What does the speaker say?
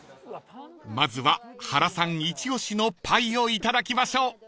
［まずは原さんイチオシのパイをいただきましょう］